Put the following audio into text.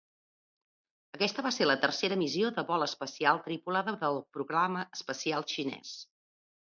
Aquesta va ser la tercera missió de vol espacial tripulada del programa espacial xinès.